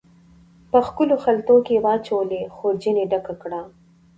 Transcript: په ښکلو خلطو کې واچولې، خورجین یې ډکه کړه